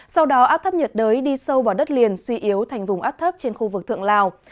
sau đó áp thấp nhiệt đới đi sâu vào đất liền suy yếu thành vùng áp thấp trên khu vực thượng lào